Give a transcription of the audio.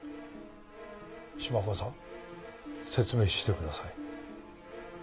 島岡さん説明してください。